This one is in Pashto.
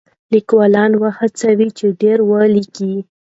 لیکوالان وهڅوئ چې ډېر ولیکي.